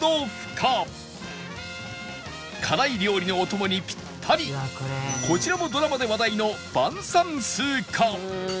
辛い料理のお供にピッタリこちらもドラマで話題の拌三絲か